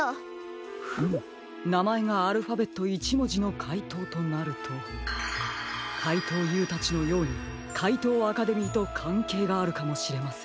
フムなまえがアルファベット１もじのかいとうとなるとかいとうＵたちのようにかいとうアカデミーとかんけいがあるかもしれませんね。